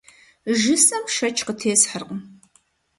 Жысӏэм шэч къытесхьэркъым.